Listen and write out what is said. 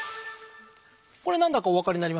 これ何だかお分かりになりますか？